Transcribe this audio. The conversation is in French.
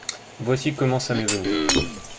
Voici comment ça m’est venu…